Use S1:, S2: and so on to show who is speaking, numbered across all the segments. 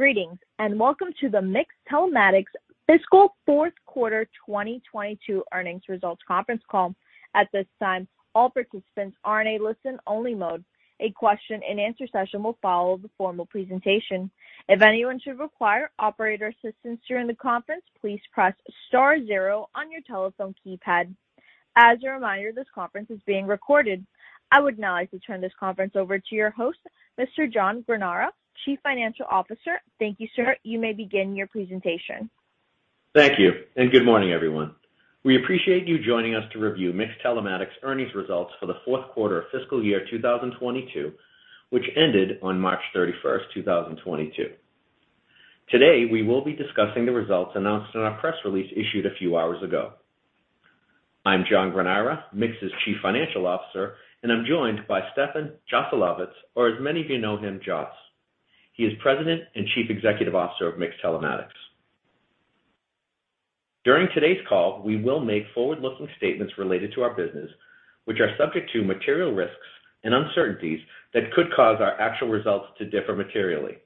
S1: Greetings, and welcome to the MiX Telematics fiscal fourth quarter 2022 earnings results conference call. At this time, all participants are in a listen-only mode. A question-and-answer session will follow the formal presentation. If anyone should require operator assistance during the conference, please press star zero on your telephone keypad. As a reminder, this conference is being recorded. I would now like to turn this conference over to your host, Mr. John Granara, Chief Financial Officer. Thank you, sir. You may begin your presentation.
S2: Thank you, and good morning, everyone. We appreciate you joining us to review MiX Telematics earnings results for the fourth quarter of fiscal year 2022, which ended on March 31st, 2022. Today, we will be discussing the results announced in our press release issued a few hours ago. I'm John Granara, MiX's Chief Financial Officer, and I'm joined by Stefan Joselowitz, or as many of you know him, Jos. He is President and Chief Executive Officer of MiX Telematics. During today's call, we will make forward-looking statements related to our business, which are subject to material risks and uncertainties that could cause our actual results to differ materially.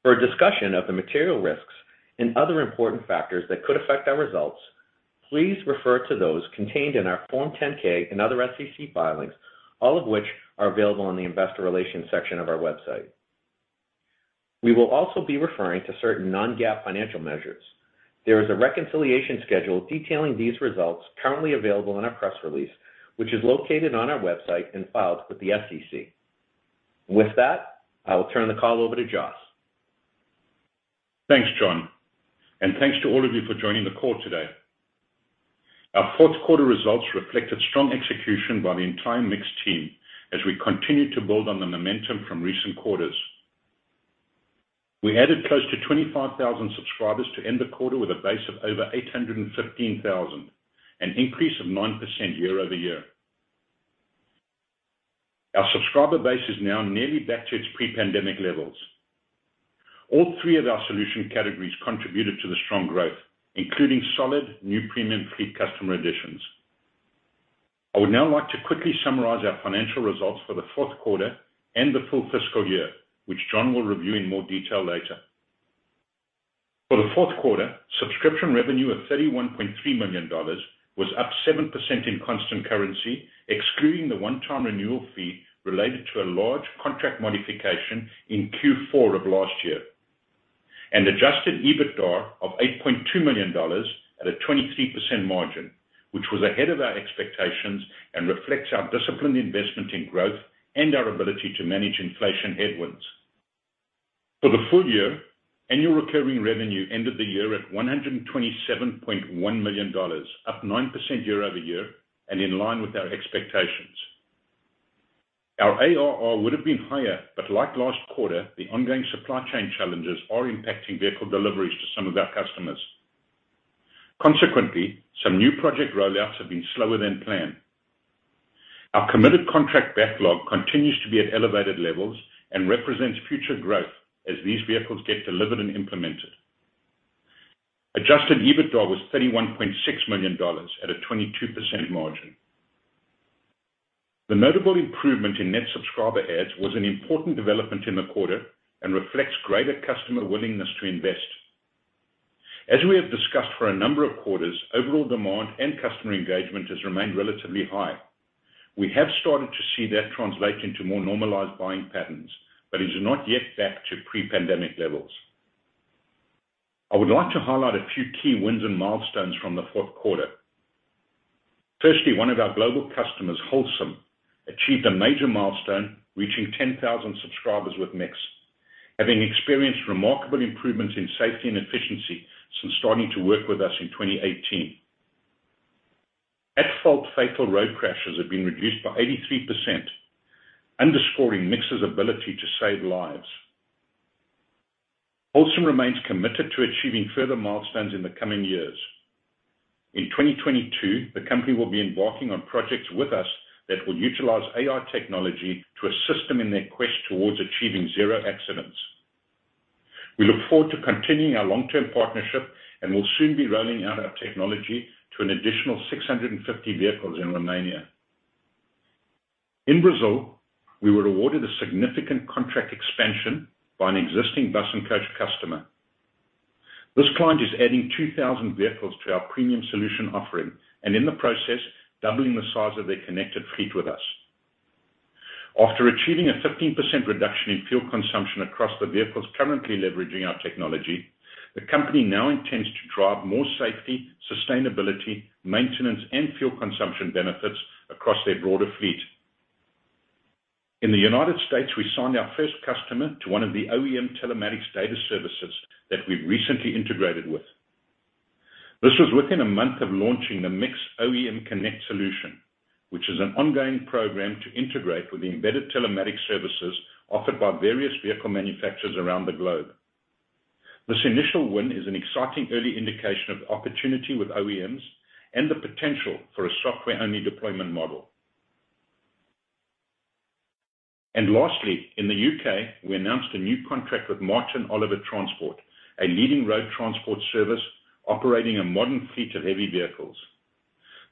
S2: For a discussion of the material risks and other important factors that could affect our results, please refer to those contained in our Form 10-K and other SEC filings, all of which are available on the investor relations section of our website. We will also be referring to certain non-GAAP financial measures. There is a reconciliation schedule detailing these results currently available in our press release, which is located on our website and filed with the SEC. With that, I will turn the call over to Jos.
S3: Thanks, John, and thanks to all of you for joining the call today. Our fourth quarter results reflected strong execution by the entire MiX team as we continued to build on the momentum from recent quarters. We added close to 25,000 subscribers to end the quarter with a base of over 815,000, an increase of 9% year-over-year. Our subscriber base is now nearly back to its pre-pandemic levels. All three of our solution categories contributed to the strong growth, including solid new Premium Fleet customer additions. I would now like to quickly summarize our financial results for the fourth quarter and the full fiscal year, which John will review in more detail later. For the fourth quarter, subscription revenue of $31.3 million was up 7% in constant currency, excluding the one-time renewal fee related to a large contract modification in Q4 of last year. An adjusted EBITDA of $8.2 million at a 23% margin, which was ahead of our expectations and reflects our disciplined investment in growth and our ability to manage inflation headwinds. For the full year, annual recurring revenue ended the year at $127.1 million up 9% year-over-year and in line with our expectations. Our ARR would have been higher, but like last quarter, the ongoing supply chain challenges are impacting vehicle deliveries to some of our customers. Consequently, some new project rollouts have been slower than planned. Our committed contract backlog continues to be at elevated levels and represents future growth as these vehicles get delivered and implemented. Adjusted EBITDA was $31.6 million at a 22% margin. The notable improvement in net subscriber adds was an important development in the quarter and reflects greater customer willingness to invest. As we have discussed for a number of quarters, overall demand and customer engagement has remained relatively high. We have started to see that translate into more normalized buying patterns, but is not yet back to pre-pandemic levels. I would like to highlight a few key wins and milestones from the fourth quarter. Firstly, one of our global customers, Holcim, achieved a major milestone, reaching 10,000 subscribers with MiX, having experienced remarkable improvements in safety and efficiency since starting to work with us in 2018. At-fault fatal road crashes have been reduced by 83%, underscoring MiX's ability to save lives. Holcim remains committed to achieving further milestones in the coming years. In 2022, the company will be embarking on projects with us that will utilize AI technology to assist them in their quest towards achieving zero accidents. We look forward to continuing our long-term partnership and will soon be rolling out our technology to an additional 650 vehicles in Romania. In Brazil, we were awarded a significant contract expansion by an existing bus and coach customer. This client is adding 2,000 vehicles to our premium solution offering and in the process, doubling the size of their connected fleet with us. After achieving a 15% reduction in fuel consumption across the vehicles currently leveraging our technology, the company now intends to drive more safety, sustainability, maintenance, and fuel consumption benefits across their broader fleet. In the United States, we signed our first customer to one of the OEM telematics data services that we've recently integrated with. This was within a month of launching the MiX OEM Connect solution, which is an ongoing program to integrate with the embedded telematics services offered by various vehicle manufacturers around the globe. This initial win is an exciting early indication of opportunity with OEMs and the potential for a software-only deployment model. Lastly, in the U.K., we announced a new contract with Martin Oliver Transport, a leading road transport service operating a modern fleet of heavy vehicles.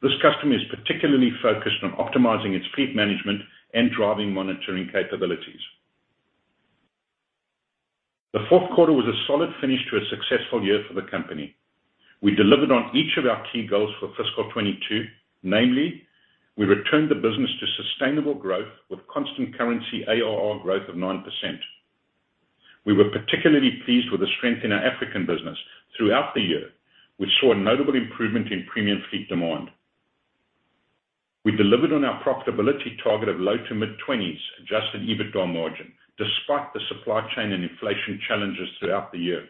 S3: This customer is particularly focused on optimizing its fleet management and driving monitoring capabilities. The fourth quarter was a solid finish to a successful year for the company. We delivered on each of our key goals for fiscal 2022, namely, we returned the business to sustainable growth with constant currency ARR growth of 9%. We were particularly pleased with the strength in our African business. Throughout the year, we saw a notable improvement in Premium Fleet demand. We delivered on our profitability target of low- to mid-20s% adjusted EBITDA margin despite the supply chain and inflation challenges throughout the year.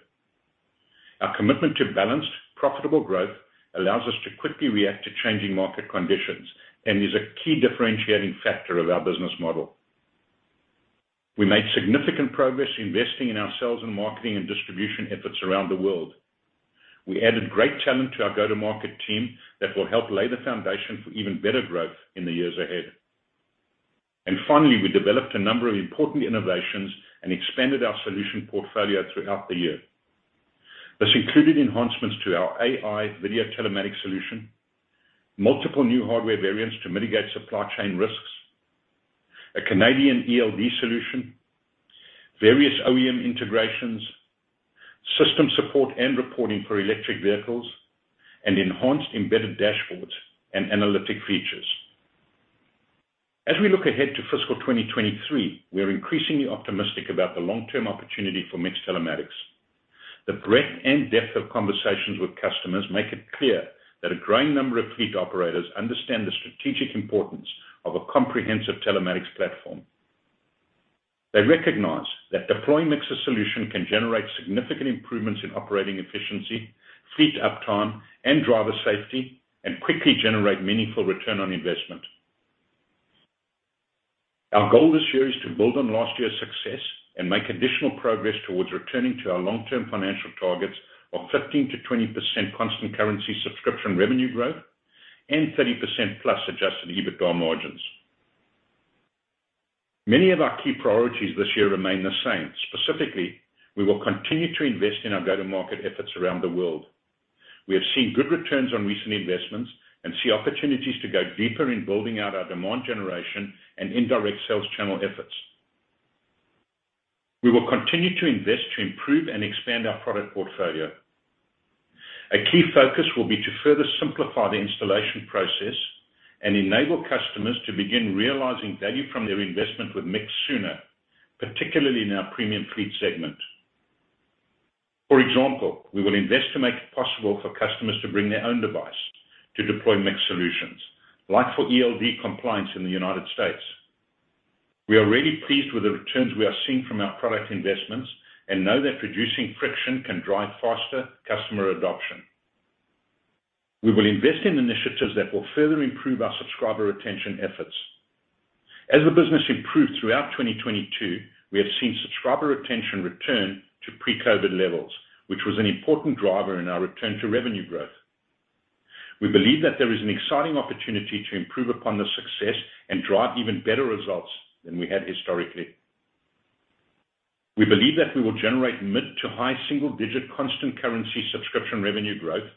S3: Our commitment to balanced, profitable growth allows us to quickly react to changing market conditions and is a key differentiating factor of our business model. We made significant progress investing in our sales and marketing and distribution efforts around the world. We added great talent to our go-to-market team that will help lay the foundation for even better growth in the years ahead. Finally, we developed a number of important innovations and expanded our solution portfolio throughout the year. This included enhancements to our AI video telematics solution, multiple new hardware variants to mitigate supply chain risks, a Canadian ELD solution, various OEM integrations, system support and reporting for electric vehicles, and enhanced embedded dashboards and analytic features. As we look ahead to fiscal 2023, we are increasingly optimistic about the long-term opportunity for MiX Telematics. The breadth and depth of conversations with customers make it clear that a growing number of fleet operators understand the strategic importance of a comprehensive telematics platform. They recognize that deploying MiX's solution can generate significant improvements in operating efficiency, fleet uptime, and driver safety, and quickly generate meaningful return on investment. Our goal this year is to build on last year's success and make additional progress towards returning to our long-term financial targets of 15%-20% constant currency subscription revenue growth and 30%+ adjusted EBITDA margins. Many of our key priorities this year remain the same. Specifically, we will continue to invest in our go-to-market efforts around the world. We have seen good returns on recent investments and see opportunities to go deeper in building out our demand generation and indirect sales channel efforts. We will continue to invest to improve and expand our product portfolio. A key focus will be to further simplify the installation process and enable customers to begin realizing value from their investment with MiX sooner, particularly in our Premium Fleet segment. For example, we will invest to make it possible for customers to bring their own device to deploy MiX solutions, like for ELD compliance in the United States. We are really pleased with the returns we are seeing from our product investments and know that reducing friction can drive faster customer adoption. We will invest in initiatives that will further improve our subscriber retention efforts. As the business improved throughout 2022, we have seen subscriber retention return to pre-COVID levels, which was an important driver in our return to revenue growth. We believe that there is an exciting opportunity to improve upon this success and drive even better results than we had historically. We believe that we will generate mid- to high-single-digit constant currency subscription revenue growth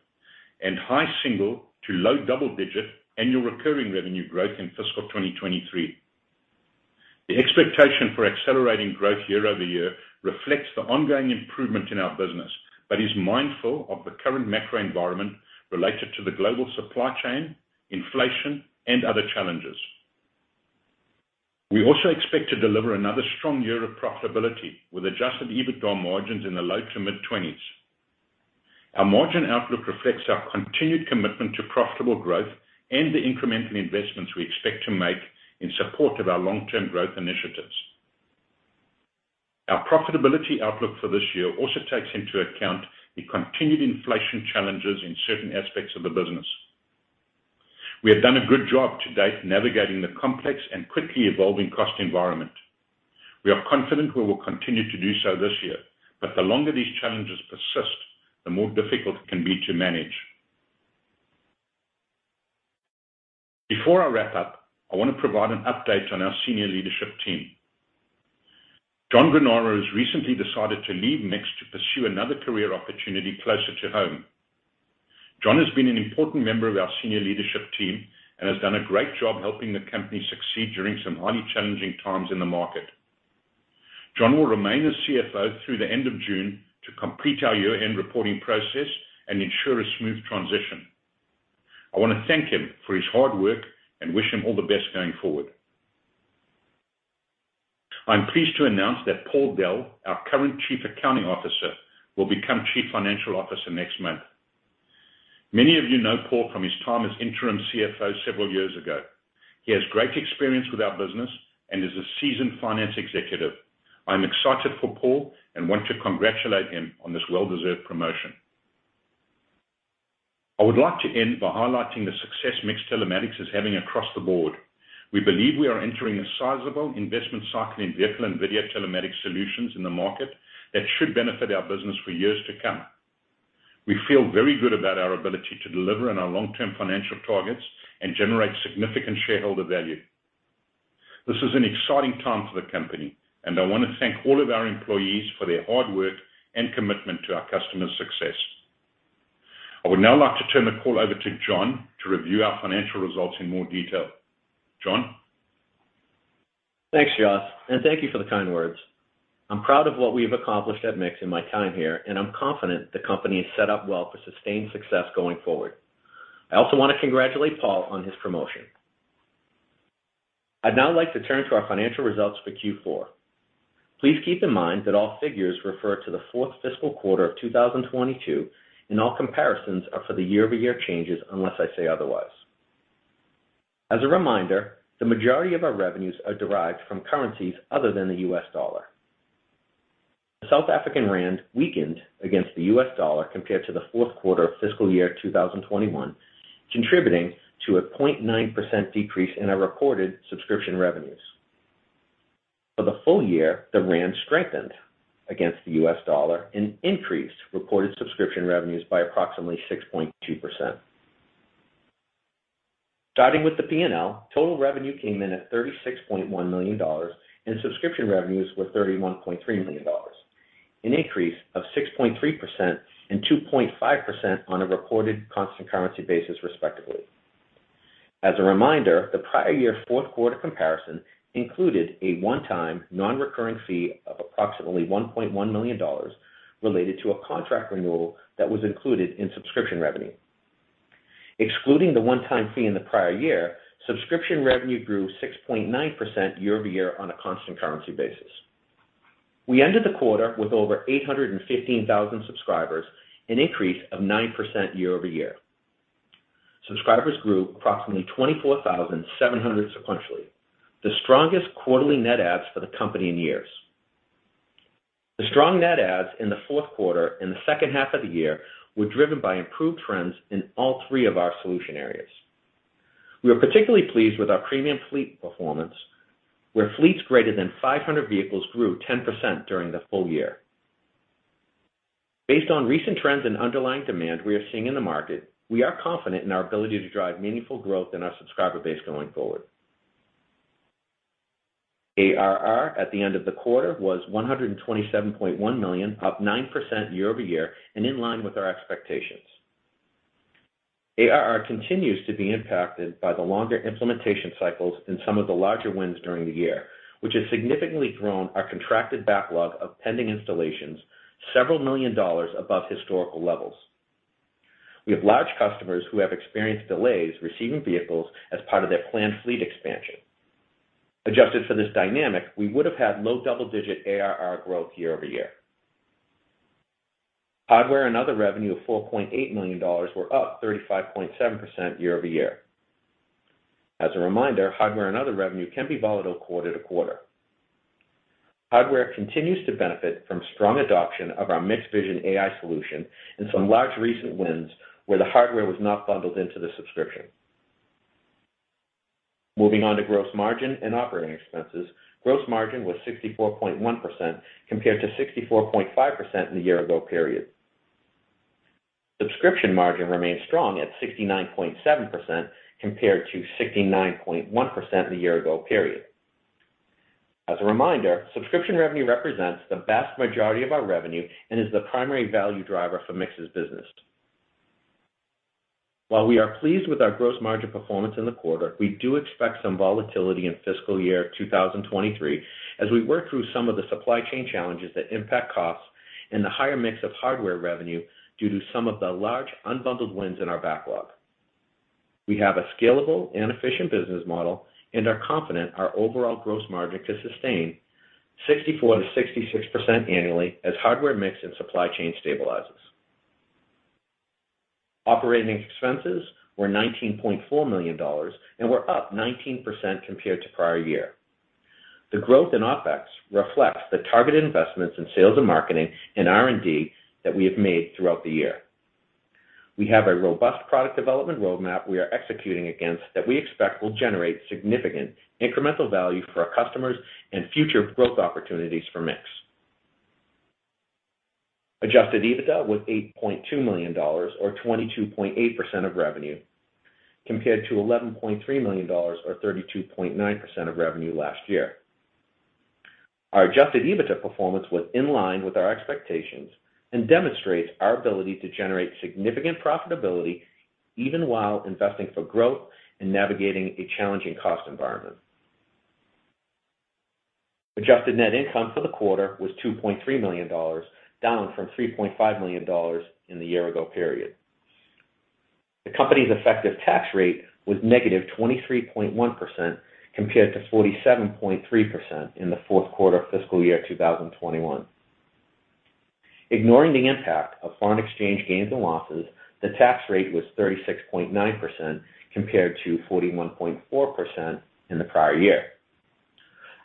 S3: and high-single- to low-double-digit annual recurring revenue growth in fiscal 2023. The expectation for accelerating growth year over year reflects the ongoing improvement in our business, but is mindful of the current macro environment related to the global supply chain, inflation, and other challenges. We also expect to deliver another strong year of profitability with adjusted EBITDA margins in the low- to mid-20s%. Our margin outlook reflects our continued commitment to profitable growth and the incremental investments we expect to make in support of our long-term growth initiatives. Our profitability outlook for this year also takes into account the continued inflation challenges in certain aspects of the business. We have done a good job to date navigating the complex and quickly evolving cost environment. We are confident we will continue to do so this year, but the longer these challenges persist, the more difficult it can be to manage. Before I wrap up, I want to provide an update on our senior leadership team. John Granara has recently decided to leave MiX to pursue another career opportunity closer to home. John has been an important member of our senior leadership team and has done a great job helping the company succeed during some highly challenging times in the market. John will remain as CFO through the end of June to complete our year-end reporting process and ensure a smooth transition. I want to thank him for his hard work and wish him all the best going forward. I'm pleased to announce that Paul Dell, our current Chief Accounting Officer, will become Chief Financial Officer next month. Many of you know Paul from his time as interim CFO several years ago. He has great experience with our business and is a seasoned finance executive. I'm excited for Paul and want to congratulate him on this well-deserved promotion. I would like to end by highlighting the success MiX Telematics is having across the board. We believe we are entering a sizable investment cycle in vehicle and video telematics solutions in the market that should benefit our business for years to come. We feel very good about our ability to deliver on our long-term financial targets and generate significant shareholder value. This is an exciting time for the company, and I want to thank all of our employees for their hard work and commitment to our customers' success. I would now like to turn the call over to John to review our financial results in more detail. John?
S2: Thanks, Jos, and thank you for the kind words. I'm proud of what we have accomplished at MiX in my time here, and I'm confident the company is set up well for sustained success going forward. I also want to congratulate Paul on his promotion. I'd now like to turn to our financial results for Q4. Please keep in mind that all figures refer to the fourth fiscal quarter of 2022, and all comparisons are for the year-over-year changes unless I say otherwise. As a reminder, the majority of our revenues are derived from currencies other than the US dollar. The South African rand weakened against the US dollar compared to the fourth quarter of fiscal year 2021, contributing to a 0.1% decrease in our reported subscription revenues. For the full year, the rand strengthened against the US dollar and increased reported subscription revenues by approximately 6.2%. Starting with the P&L, total revenue came in at $36.1 million, and subscription revenues were $31.3 million, an increase of 6.3% and 2.5% on a reported constant currency basis, respectively. As a reminder, the prior year fourth quarter comparison included a one-time non-recurring fee of approximately $1.1 million related to a contract renewal that was included in subscription revenue. Excluding the one-time fee in the prior year, subscription revenue grew 6.9% year-over-year on a constant currency basis. We ended the quarter with over 815,000 subscribers, an increase of 9% year-over-year. Subscribers grew approximately 24,700 sequentially, the strongest quarterly net adds for the company in years. The strong net adds in the fourth quarter and the second half of the year were driven by improved trends in all three of our solution areas. We are particularly pleased with our Premium Fleet performance, where fleets greater than 500 vehicles grew 10% during the full year. Based on recent trends in underlying demand, we are seeing in the market, we are confident in our ability to drive meaningful growth in our subscriber base going forward. ARR at the end of the quarter was $127.1 million, up 9% year-over-year and in line with our expectations. ARR continues to be impacted by the longer implementation cycles in some of the larger wins during the year, which has significantly grown our contracted backlog of pending installations $several million above historical levels. We have large customers who have experienced delays receiving vehicles as part of their planned fleet expansion. Adjusted for this dynamic, we would have had low double-digit ARR growth year-over-year. Hardware and other revenue of $4.8 million were up 35.7% year-over-year. As a reminder, hardware and other revenue can be volatile quarter to quarter. Hardware continues to benefit from strong adoption of our MiX Vision AI solution and some large recent wins where the hardware was not bundled into the subscription. Moving on to gross margin and operating expenses. Gross margin was 64.1% compared to 64.5% in the year-ago period. Subscription margin remained strong at 69.7% compared to 69.1% in the year-ago period. As a reminder, subscription revenue represents the vast majority of our revenue and is the primary value driver for MiX's business. While we are pleased with our gross margin performance in the quarter, we do expect some volatility in fiscal year 2023 as we work through some of the supply chain challenges that impact costs and the higher mix of hardware revenue due to some of the large unbundled wins in our backlog. We have a scalable and efficient business model and are confident our overall gross margin can sustain 64%-66% annually as hardware mix and supply chain stabilizes. Operating expenses were $19.4 million and were up 19% compared to prior year. The growth in OpEx reflects the targeted investments in sales and marketing and R&D that we have made throughout the year. We have a robust product development roadmap we are executing against that we expect will generate significant incremental value for our customers and future growth opportunities for MiX. Adjusted EBITDA was $8.2 million or 22.8% of revenue, compared to $11.3 million or 32.9% of revenue last year. Our adjusted EBITDA performance was in line with our expectations and demonstrates our ability to generate significant profitability even while investing for growth and navigating a challenging cost environment. Adjusted net income for the quarter was $2.3 million, down from $3.5 million in the year-ago period. The company's effective tax rate was -23.1% compared to 47.3% in the fourth quarter of fiscal year 2021. Ignoring the impact of foreign exchange gains and losses, the tax rate was 36.9% compared to 41.4% in the prior year.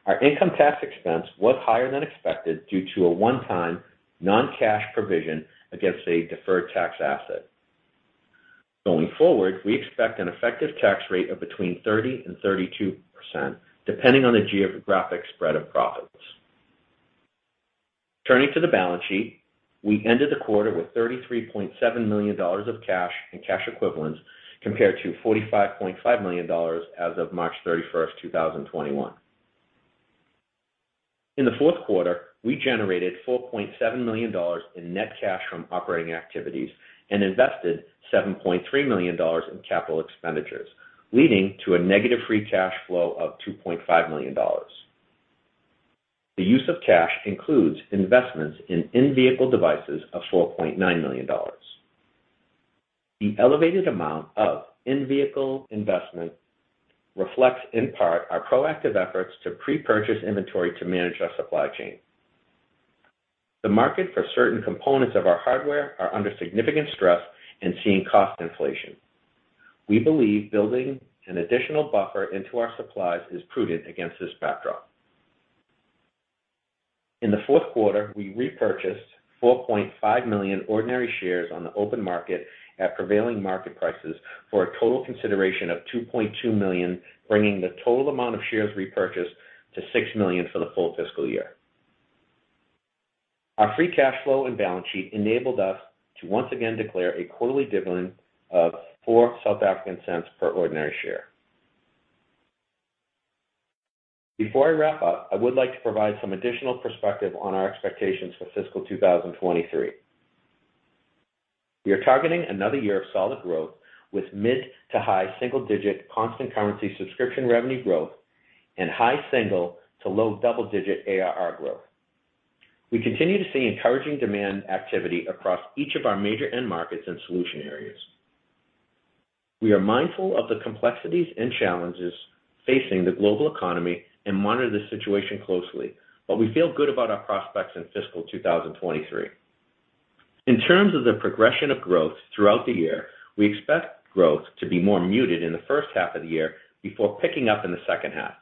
S2: Our income tax expense was higher than expected due to a one-time non-cash provision against a deferred tax asset. Going forward, we expect an effective tax rate of between 30% and 32%, depending on the geographic spread of profits. Turning to the balance sheet, we ended the quarter with $33.7 million of cash and cash equivalents compared to $45.5 million as of March 31, 2021. In the fourth quarter, we generated $4.7 million in net cash from operating activities and invested $7.3 million in capital expenditures, leading to a negative free cash flow of $2.5 million. The use of cash includes investments in in-vehicle devices of $4.9 million. The elevated amount of in-vehicle investment reflects, in part, our proactive efforts to pre-purchase inventory to manage our supply chain. The market for certain components of our hardware are under significant stress and seeing cost inflation. We believe building an additional buffer into our supplies is prudent against this backdrop. In the fourth quarter, we repurchased 4.5 million ordinary shares on the open market at prevailing market prices for a total consideration of $2.2 million, bringing the total amount of shares repurchased to 6 million for the full fiscal year. Our free cash flow and balance sheet enabled us to once again declare a quarterly dividend of 0.04 per ordinary share. Before I wrap up, I would like to provide some additional perspective on our expectations for fiscal 2023. We are targeting another year of solid growth with mid- to high-single-digit constant currency subscription revenue growth and high-single- to low-double-digit ARR growth. We continue to see encouraging demand activity across each of our major end markets and solution areas. We are mindful of the complexities and challenges facing the global economy and monitor the situation closely, but we feel good about our prospects in fiscal 2023. In terms of the progression of growth throughout the year, we expect growth to be more muted in the first half of the year before picking up in the second half.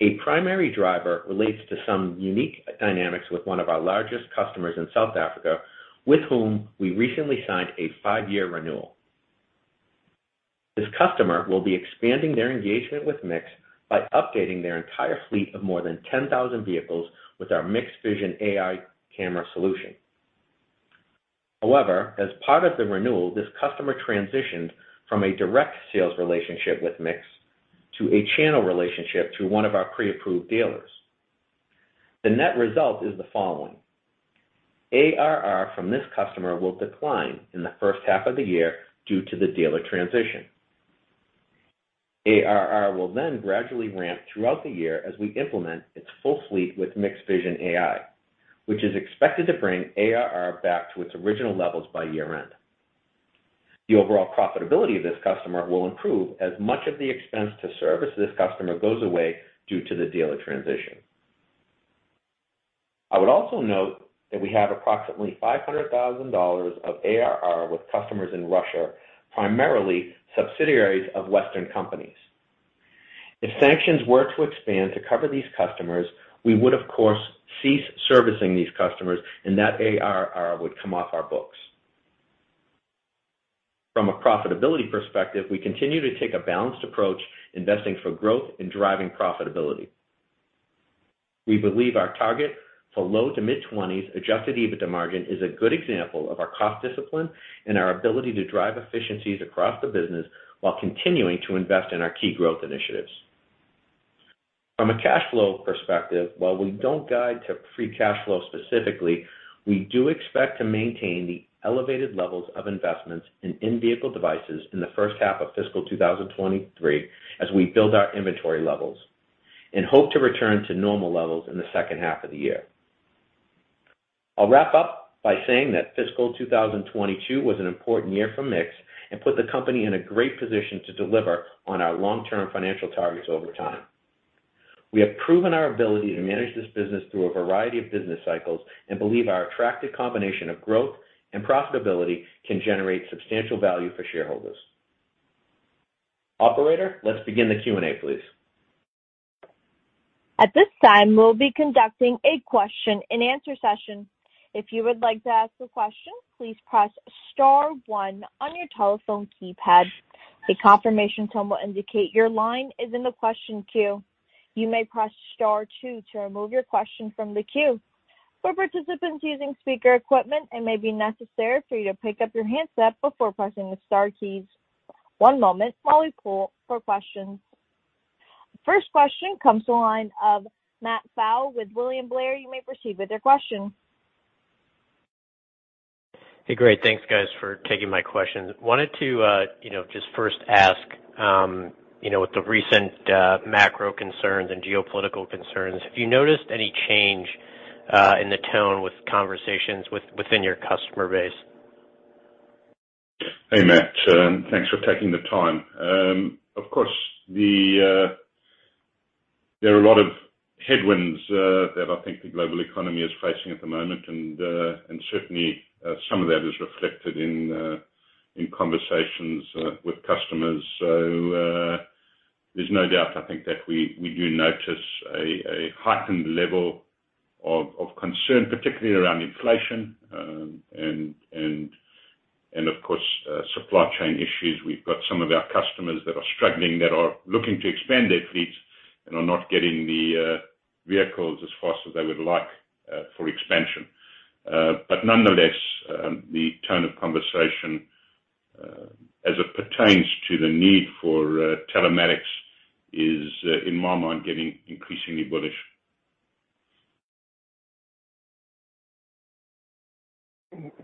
S2: A primary driver relates to some unique dynamics with one of our largest customers in South Africa, with whom we recently signed a 5-year renewal. This customer will be expanding their engagement with MiX by updating their entire fleet of more than 10,000 vehicles with our MiX Vision AI camera solution. However, as part of the renewal, this customer transitioned from a direct sales relationship with MiX to a channel relationship through one of our pre-approved dealers. The net result is the following. ARR from this customer will decline in the first half of the year due to the dealer transition. ARR will then gradually ramp throughout the year as we implement its full fleet with MiX Vision AI, which is expected to bring ARR back to its original levels by year-end. The overall profitability of this customer will improve as much of the expense to service this customer goes away due to the dealer transition. I would also note that we have approximately $500,000 of ARR with customers in Russia, primarily subsidiaries of Western companies. If sanctions were to expand to cover these customers, we would, of course, cease servicing these customers and that ARR would come off our books. From a profitability perspective, we continue to take a balanced approach, investing for growth and driving profitability. We believe our target for low- to mid-20s% adjusted EBITDA margin is a good example of our cost discipline and our ability to drive efficiencies across the business while continuing to invest in our key growth initiatives. From a cash flow perspective, while we don't guide to free cash flow specifically, we do expect to maintain the elevated levels of investments in in-vehicle devices in the first half of fiscal 2023 as we build our inventory levels and hope to return to normal levels in the second half of the year. I'll wrap up by saying that fiscal 2022 was an important year for MiX and put the company in a great position to deliver on our long-term financial targets over time. We have proven our ability to manage this business through a variety of business cycles and believe our attractive combination of growth and profitability can generate substantial value for shareholders. Operator, let's begin the Q&A, please.
S1: At this time, we'll be conducting a question-and-answer session. If you would like to ask a question, please press star one on your telephone keypad. A confirmation tone will indicate your line is in the question queue. You may press star two to remove your question from the queue. For participants using speaker equipment, it may be necessary for you to pick up your handset before pressing the star keys. One moment while we poll for questions. First question comes to the line of Matt Pfau with William Blair. You may proceed with your question.
S4: Hey, great. Thanks, guys, for taking my questions. Wanted to, you know, just first ask, you know, with the recent, macro concerns and geopolitical concerns, have you noticed any change, in the tone with conversations within your customer base?
S3: Hey, Matt. Thanks for taking the time. Of course, there are a lot of headwinds that I think the global economy is facing at the moment, and certainly some of that is reflected in conversations with customers. There's no doubt, I think, that we do notice a heightened level of concern, particularly around inflation, and of course, supply chain issues. We've got some of our customers that are struggling, that are looking to expand their fleets and are not getting the vehicles as fast as they would like for expansion. Nonetheless, the tone of conversation as it pertains to the need for telematics is, in my mind, getting increasingly bullish.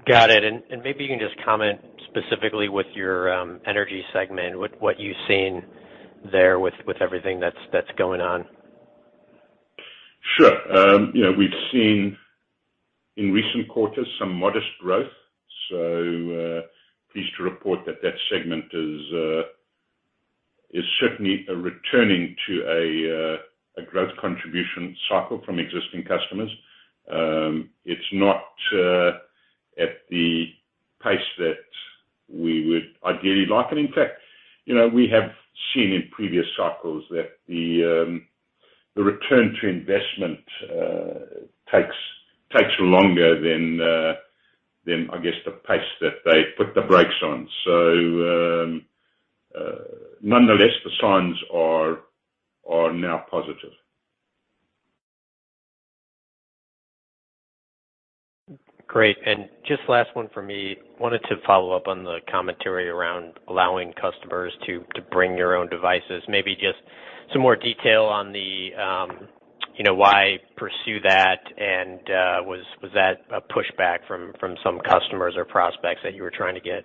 S4: Got it. Maybe you can just comment specifically with your energy segment, what you've seen there with everything that's going on?
S3: Sure. You know, we've seen in recent quarters some modest growth. Pleased to report that that segment is certainly returning to a growth contribution cycle from existing customers. It's not at the pace that we would ideally like. In fact, you know, we have seen in previous cycles that the return to investment takes longer than, I guess, the pace that they put the brakes on. Nonetheless, the signs are now positive.
S4: Great. Just last one for me. Wanted to follow up on the commentary around allowing customers to bring your own devices. Maybe just some more detail on the, you know, why pursue that, and was that a pushback from some customers or prospects that you were trying to get?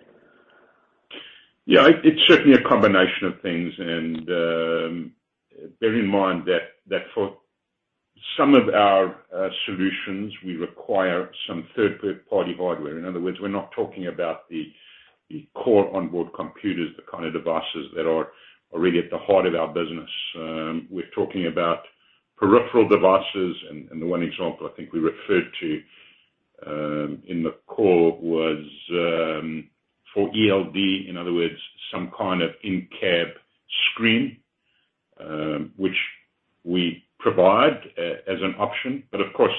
S3: Yeah. It's certainly a combination of things. Bear in mind that for some of our solutions, we require some third-party hardware. In other words, we're not talking about the core onboard computers, the kind of devices that are already at the heart of our business. We're talking about peripheral devices. The one example I think we referred to in the call was for ELD, in other words, some kind of in-cab screen, which we provide as an option. Of course,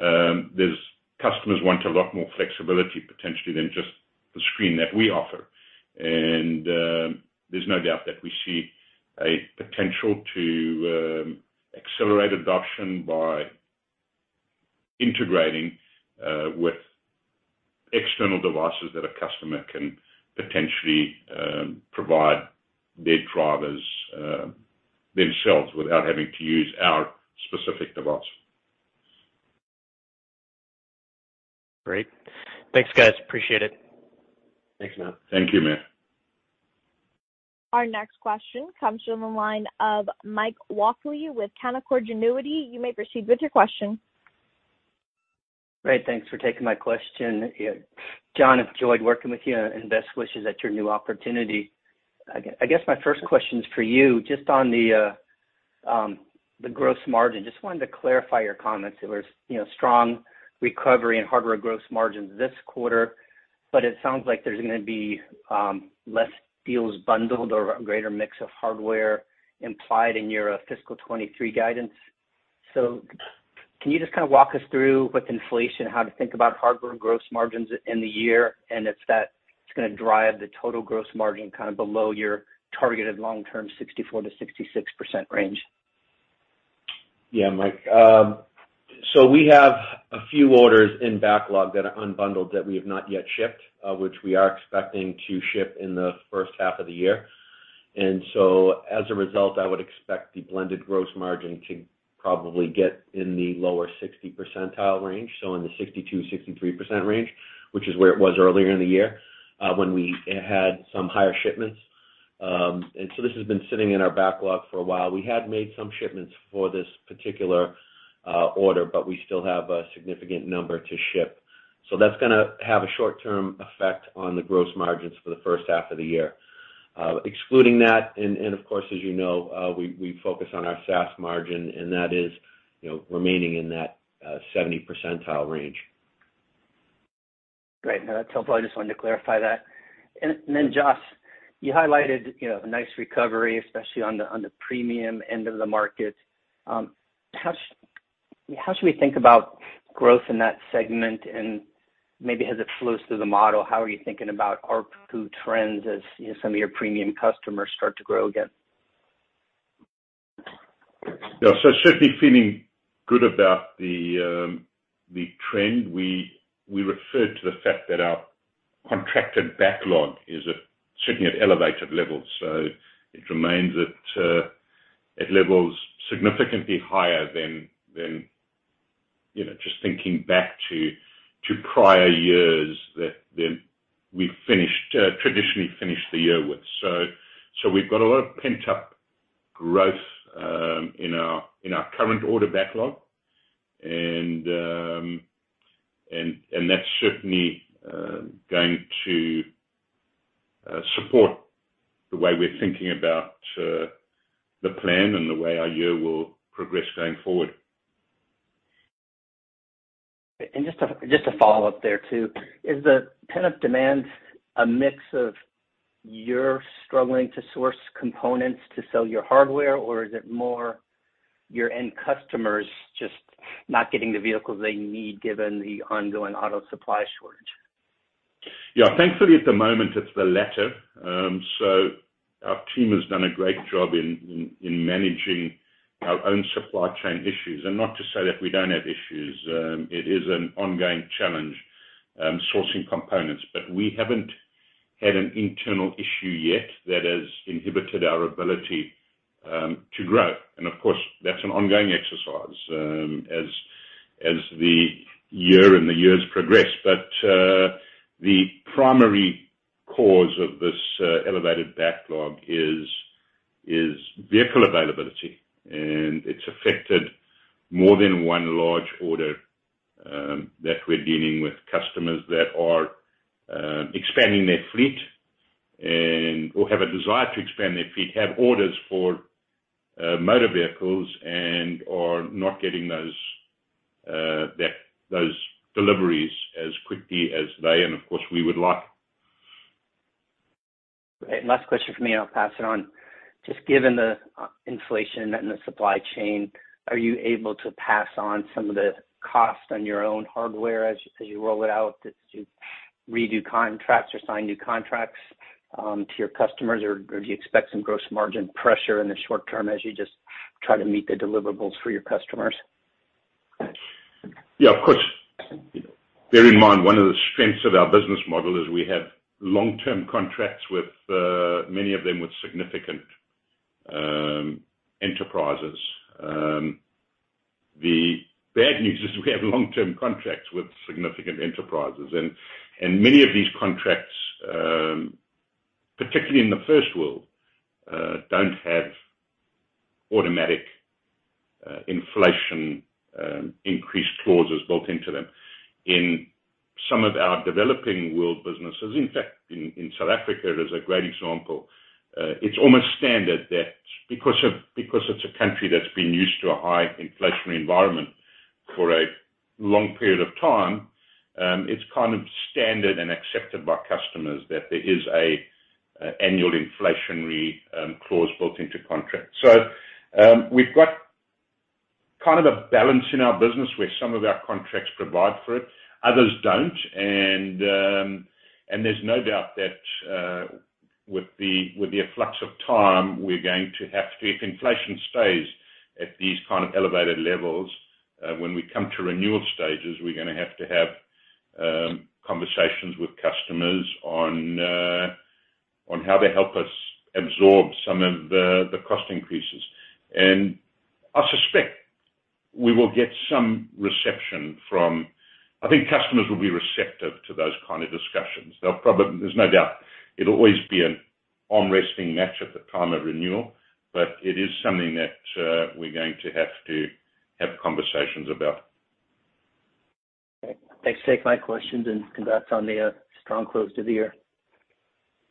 S3: customers want a lot more flexibility potentially than just the screen that we offer. There's no doubt that we see a potential to accelerate adoption by integrating with external devices that a customer can potentially provide their drivers themselves without having to use our specific device.
S4: Great. Thanks, guys. Appreciate it.
S3: Thanks, Matt. Thank you, Matt.
S1: Our next question comes from the line of Mike Walkley with Canaccord Genuity. You may proceed with your question.
S5: Great. Thanks for taking my question. John, enjoyed working with you and best wishes at your new opportunity. I guess my first question is for you, just on the gross margin. Just wanted to clarify your comments. There was, you know, strong recovery in hardware gross margins this quarter, but it sounds like there's gonna be less deals bundled or a greater mix of hardware implied in your fiscal 2023 guidance. Can you just kind of walk us through with inflation, how to think about hardware gross margins in the year, and if that's gonna drive the total gross margin kind of below your targeted long-term 64%-66% range?
S2: Yeah, Mike. We have a few orders in backlog that are unbundled that we have not yet shipped, which we are expecting to ship in the first half of the year. As a result, I would expect the blended gross margin to probably get in the lower 60 percentile range, so in the 62-63% range, which is where it was earlier in the year, when we had some higher shipments. This has been sitting in our backlog for a while. We had made some shipments for this particular order, but we still have a significant number to ship. That's gonna have a short-term effect on the gross margins for the first half of the year. Excluding that and of course, as you know, we focus on our SaaS margin, and that is, you know, remaining in that 70% range.
S5: Great. No, that's helpful. I just wanted to clarify that. Jos, you highlighted, you know, a nice recovery, especially on the premium end of the market. How should we think about growth in that segment? Maybe as it flows through the model, how are you thinking about ARPU trends as, you know, some of your premium customers start to grow again?
S3: Yeah. Certainly feeling good about the trend. We referred to the fact that our contracted backlog is certainly at elevated levels. It remains at levels significantly higher than you know just thinking back to prior years that we traditionally finished the year with. We've got a lot of pent-up growth in our current order backlog. That's certainly going to support the way we're thinking about the plan and the way our year will progress going forward.
S5: Just to follow up there too, is the pent-up demand a mix of you're struggling to source components to sell your hardware, or is it more? Your end customers just not getting the vehicles they need given the ongoing auto supply shortage?
S3: Yeah. Thankfully at the moment it's the latter. So our team has done a great job in managing our own supply chain issues. Not to say that we don't have issues, it is an ongoing challenge sourcing components. We haven't had an internal issue yet that has inhibited our ability to grow. Of course, that's an ongoing exercise as the year and the years progress. The primary cause of this elevated backlog is vehicle availability. It's affected more than one large order that we're dealing with customers that are expanding their fleet and or have a desire to expand their fleet, have orders for motor vehicles and are not getting those deliveries as quickly as they and, of course, we would like.
S5: Okay. Last question for me, and I'll pass it on. Just given the inflation and the supply chain, are you able to pass on some of the cost on your own hardware as you roll it out as you redo contracts or sign new contracts to your customers? Or do you expect some gross margin pressure in the short term as you just try to meet the deliverables for your customers?
S3: Yeah, of course. Bear in mind, one of the strengths of our business model is we have long-term contracts with many of them with significant enterprises. The bad news is we have long-term contracts with significant enterprises. Many of these contracts, particularly in the first world, don't have automatic inflation increased clauses built into them. In some of our developing world businesses, in fact, in South Africa, as a great example, it's almost standard that because it's a country that's been used to a high inflationary environment for a long period of time, it's kind of standard and accepted by customers that there is an annual inflationary clause built into contracts. We've got kind of a balance in our business where some of our contracts provide for it, others don't. There's no doubt that with the passage of time, we're going to have to. If inflation stays at these kind of elevated levels, when we come to renewal stages, we're gonna have to have conversations with customers on how they help us absorb some of the cost increases. I suspect we will get some reception from. I think customers will be receptive to those kind of discussions. There's no doubt it'll always be an arm-wrestling match at the time of renewal, but it is something that we're going to have to have conversations about.
S2: Okay. Thanks for taking my questions and congrats on the strong close to the year.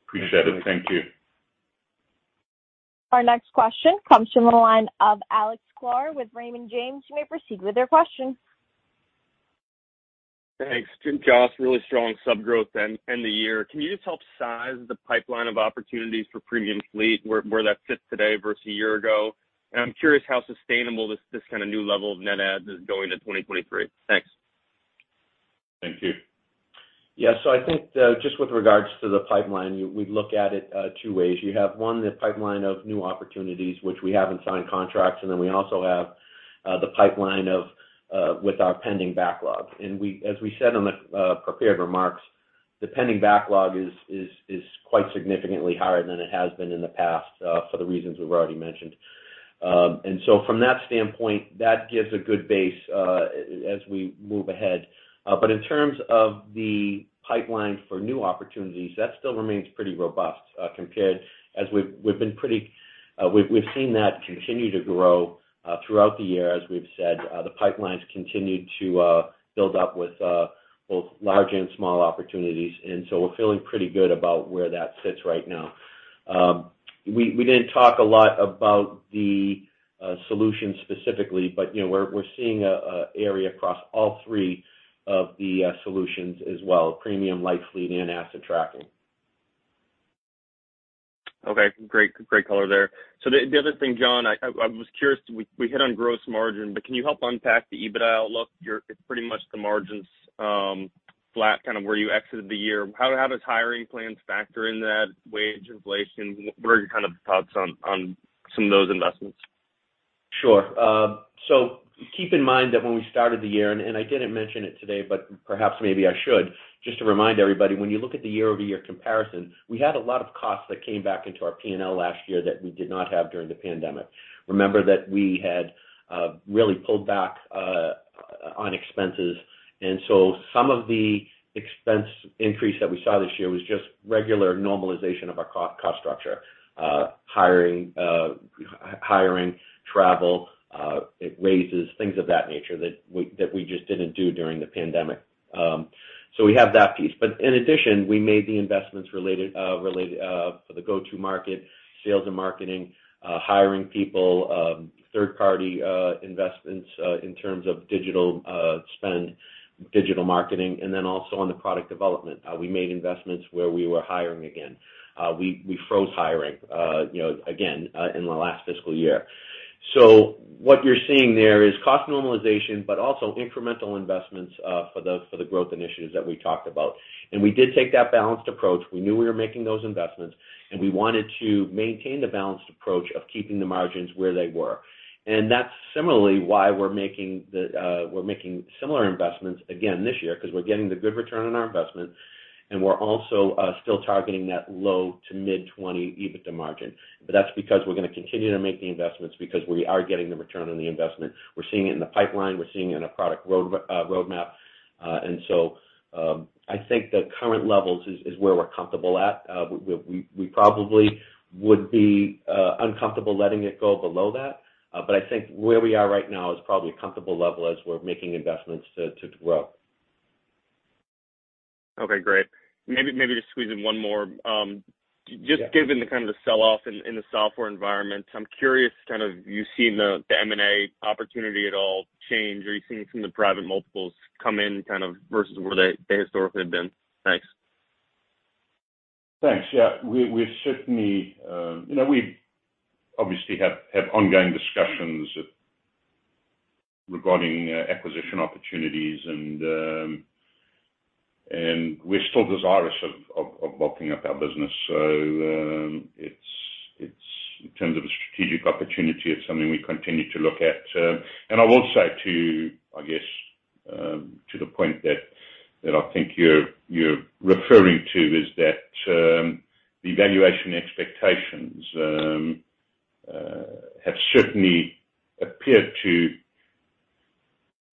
S3: Appreciate it. Thank you.
S1: Our next question comes from the line of Alex Sklar with Raymond James. You may proceed with your question.
S6: Thanks. John, Jos, really strong sub-growth to end the year. Can you just help size the pipeline of opportunities for Premium Fleet, where that fits today versus a year ago? I'm curious how sustainable this kind of new level of net adds is going into 2023. Thanks.
S3: Thank you.
S2: Yeah. I think just with regards to the pipeline, we look at it two ways. You have one, the pipeline of new opportunities, which we haven't signed contracts, and then we also have the pipeline with our pending backlog. As we said on the prepared remarks, the pending backlog is quite significantly higher than it has been in the past for the reasons we've already mentioned. From that standpoint, that gives a good base as we move ahead. In terms of the pipeline for new opportunities, that still remains pretty robust, compared as we've seen that continue to grow throughout the year. As we've said, the pipeline's continued to build up with both large and small opportunities. We're feeling pretty good about where that sits right now. We didn't talk a lot about the solution specifically, but you know, we're seeing an area across all three of the solutions as well, Premium Fleet, Light Fleet, and Asset Tracking.
S6: Okay. Great. Great color there. The other thing, John, I was curious. We hit on gross margin, but can you help unpack the EBITDA outlook? It's pretty much the margins, flat kind of where you exited the year. How does hiring plans factor into that, wage inflation? What are your kind of thoughts on some of those investments?
S2: Sure. Keep in mind that when we started the year, and I didn't mention it today, but perhaps maybe I should, just to remind everybody, when you look at the year-over-year comparison, we had a lot of costs that came back into our P&L last year that we did not have during the pandemic. Remember that we had really pulled back on expenses. Some of the expense increase that we saw this year was just regular normalization of our cost structure. Hiring, travel, raises, things of that nature that we just didn't do during the pandemic. We have that piece. In addition, we made the investments related for the go-to-market, sales and marketing, hiring people, third party investments in terms of digital spend, digital marketing, and then also on the product development. We made investments where we were hiring again. We froze hiring, you know, again in the last fiscal year. What you're seeing there is cost normalization, but also incremental investments for the growth initiatives that we talked about. We did take that balanced approach. We knew we were making those investments, and we wanted to maintain the balanced approach of keeping the margins where they were. That's similarly why we're making similar investments again this year, 'cause we're getting the good return on our investment, and we're also still targeting that low- to mid-20% EBITDA margin. That's because we're gonna continue to make the investments because we are getting the return on the investment. We're seeing it in the pipeline. We're seeing it in a product roadmap. I think the current levels is where we're comfortable at. We probably would be uncomfortable letting it go below that. I think where we are right now is probably a comfortable level as we're making investments to grow.
S6: Okay. Great. Maybe just squeeze in one more.
S2: Yeah.
S6: Just given the kind of selloff in the software environment, I'm curious kind of you've seen the M&A opportunity at all change? Are you seeing some of the private multiples come in kind of versus where they historically have been? Thanks.
S3: Thanks. Yeah. We've certainly, you know, we obviously have ongoing discussions regarding acquisition opportunities. We're still desirous of bulking up our business. In terms of a strategic opportunity, it's something we continue to look at. I will say, too, I guess, to the point that I think you're referring to is that the valuation expectations have certainly appeared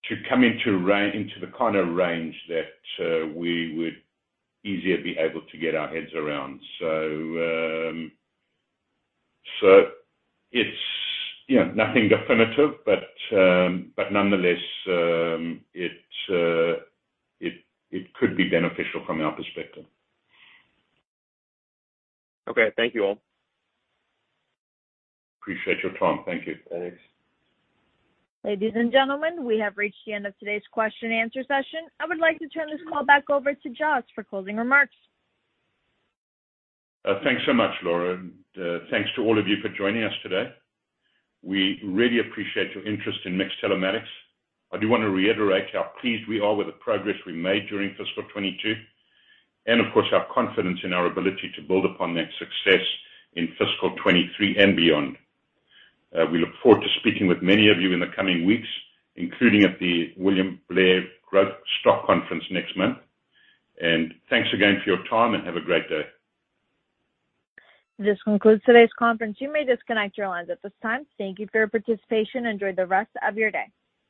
S3: to come into the kind of range that we would be able to get our heads around more easily. It's, you know, nothing definitive, but nonetheless, it could be beneficial from our perspective.
S6: Okay. Thank you all.
S3: Appreciate your time. Thank you.
S2: Thanks.
S1: Ladies and gentlemen, we have reached the end of today's question and answer session. I would like to turn this call back over to Jos for closing remarks.
S3: Thanks so much, Laura. Thanks to all of you for joining us today. We really appreciate your interest in MiX Telematics. I do wanna reiterate how pleased we are with the progress we made during fiscal 2022 and, of course, our confidence in our ability to build upon that success in fiscal 2023 and beyond. We look forward to speaking with many of you in the coming weeks, including at the William Blair Growth Stock Conference next month. Thanks again for your time, and have a great day.
S1: This concludes today's conference. You may disconnect your lines at this time. Thank you for your participation. Enjoy the rest of your day.